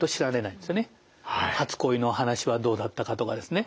初恋の話はどうだったかとかですね